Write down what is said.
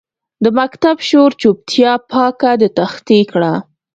د مکتب شور چوپتیا پاکه د تختې کړه